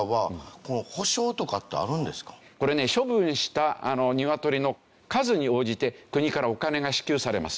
これね処分した鶏の数に応じて国からお金が支給されます。